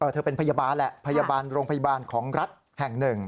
เธอเป็นพยาบาลแหละพยาบาลโรงพยาบาลของรัฐแห่งหนึ่ง